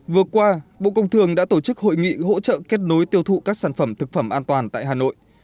vừa qua bộ công thường đã tổ chức hội nghị hỗ trợ kết nối tiêu thụ các sản phẩm thực phẩm an toàn tại hà nội